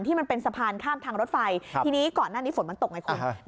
มันเป็นสะพานข้ามทางรถไฟทีนี้ก่อนหน้านี้ฝนมันตกไงคุณ